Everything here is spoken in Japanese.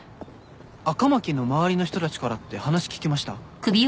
赤巻の周りの人たちからって話聞きました？